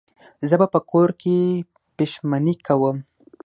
زه به په کور کې پیشمني کوم